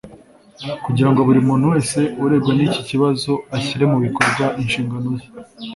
kugirango buri muntu wese urebwa n’iki kibazo ashyire mu bikorwa inshingano ze